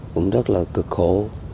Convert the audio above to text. cũng rất là cực khổ